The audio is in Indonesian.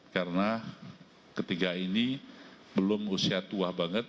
karena ketiga ini belum usia tua banget